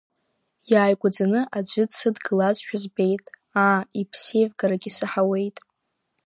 Иааигәаӡаны аӡә дсыдгылазшәа збеит, аа, иԥсеивгарагьы саҳауеит.